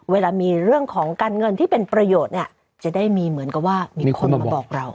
เวลามีเรื่องของการเงินที่เป็นประโยชน์เนี่ยจะได้มีเหมือนกับว่ามีคนมาบอกเรา